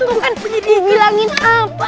tuh kan dia dibilangin apa